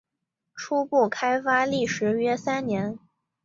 初步开发历时约三年。